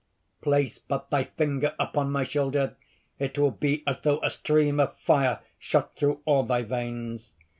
_) "Place but thy finger upon my shoulder: it will be as though a stream of fire shot through all thy veins.